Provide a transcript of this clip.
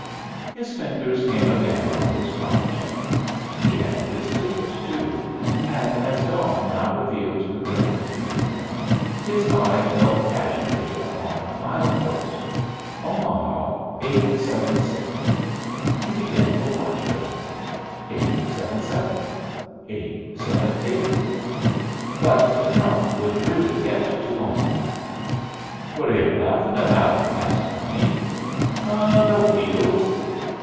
His fingers came again on his trunk check. He had his ticket, too. And as dawn now revealed the gray country to him, his eye fell casually upon a mile post: "Omaha, 876." He began to watch for them: 877, 878. But the trunk would really get to Omaha. "What are yu' laughin' about?" asked Honey. "Oh, the wheels."